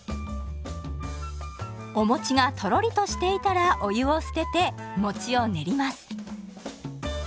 お餅がとろりとしていたらお湯を捨てて餅を練ります。